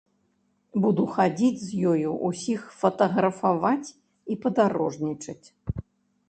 Буду хадзіць з ёю, усіх фатаграфаваць і падарожнічаць.